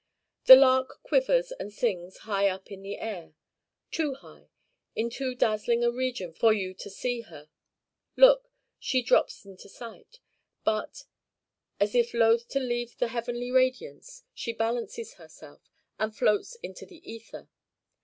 The lark quivers and sings high up in the air; too high in too dazzling a region for you to see her. Look! she drops into sight; but, as if loth to leave the heavenly radiance, she balances herself and floats in the ether.